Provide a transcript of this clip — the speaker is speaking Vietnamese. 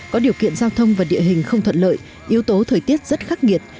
có điều kiện giao thông và địa hình không thuận lợi yếu tố thời tiết rất khắc nghiệt